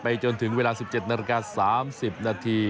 ไปจนถึงเวลา๑๗นาที๓๐นาที